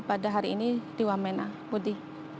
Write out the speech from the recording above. pada hari ini di wamena budi